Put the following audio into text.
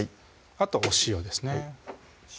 あとお塩ですね